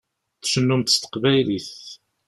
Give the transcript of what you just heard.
Tcennumt s teqbaylit.